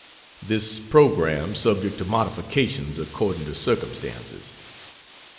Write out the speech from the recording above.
This program subject to modifications according to circumstances.